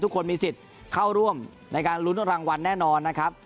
ทุกคนมีสิทธิ์เข้าร่วมในการลุ้นรางวัลแน่นอนนะครับ